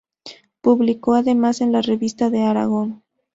Publicó, además, en la "Revista de Aragón".